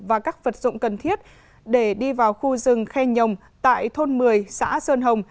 và các vật dụng cần thiết để đi vào khu rừng khe nhồng tại thôn một mươi xã sơn hồng